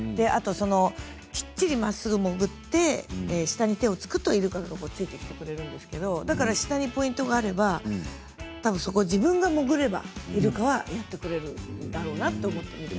きっちりまっすぐ潜って下に手をつくとイルカがついてくれるんですけど下にポイントがあれば自分が潜ればイルカはやってくれるだろうなと思って見ていました。